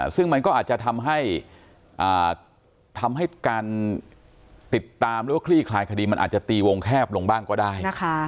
ซึ่งมันก็อาจจะทำให้ทำให้การติดตามหรือว่าคลี่คลายคดีมันอาจจะตีวงแคบลงบ้างก็ได้นะคะ